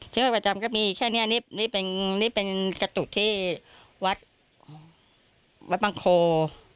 จึงประจำก็มีแค่เนี่ยนี่เป็นกระตุดที่วัดวัดปังโคร